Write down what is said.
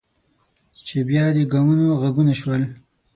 چې بیا د ګامونو غږونه شول.